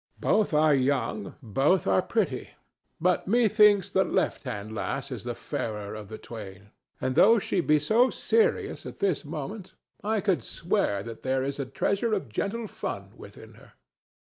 Both are young, both are pretty; but methinks the left hand lass is the fairer of the twain, and, though she be so serious at this moment, I could swear that there is a treasure of gentle fun within her.